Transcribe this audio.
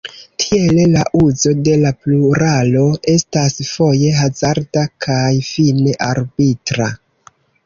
Tiele la "uzo de la pluralo estas foje hazarda kaj fine arbitra".